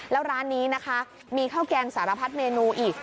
แล้วร้านนี้นะคะมีข้าวแกงสารพัดเมนูอีก